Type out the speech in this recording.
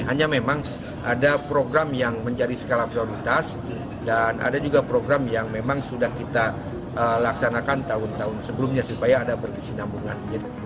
hanya memang ada program yang menjadi skala prioritas dan ada juga program yang memang sudah kita laksanakan tahun tahun sebelumnya supaya ada berkesinambungan